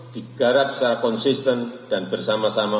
digarap secara konsisten dan bersama sama